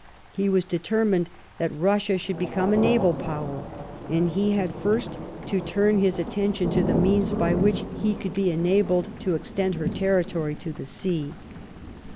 He was determined that Russia should become a naval power, and he had first, to turn his attention to the means by which he could be enabled to extend her territory to the sea.